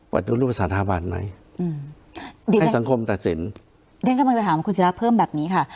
ประตูรุสถาบันไหมอืมให้สังคมตัดสินดิฉันกำลังจะถามคุณศิราเพิ่มแบบนี้ค่ะ